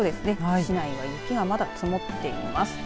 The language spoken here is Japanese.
市内は雪がまだ積もっています。